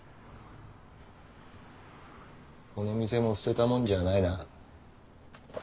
この店も捨てたもんじゃあないな。